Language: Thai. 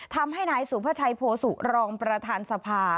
ทำให้นายสุภาชัยโพสุรองประธานสภา